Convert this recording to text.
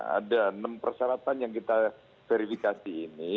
ada enam persyaratan yang kita verifikasi ini